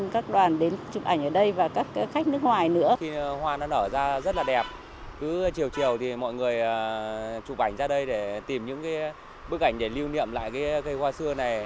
cứ chiều chiều thì mọi người chụp ảnh ra đây để tìm những bức ảnh để lưu niệm lại cây hoa xưa này